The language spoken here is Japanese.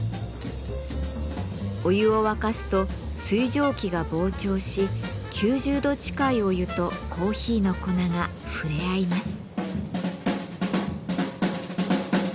お湯を沸かすと水蒸気が膨張し９０度近いお湯とコーヒーの粉が触れ合います。